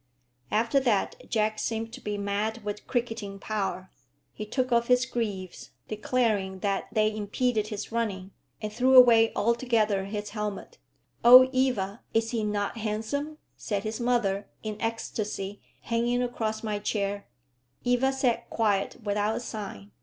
After that Jack seemed to be mad with cricketing power. He took off his greaves, declaring that they impeded his running, and threw away altogether his helmet. "Oh, Eva, is he not handsome?" said his mother, in ecstasy, hanging across my chair. Eva sat quiet without a sign.